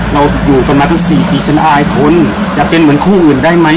เราอยู่กันมาตั้ง๔ปีฉันอายคนจะเป็นเหมือนคู่อื่นได้ไหม